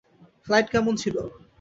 Flight কেমন ছিল?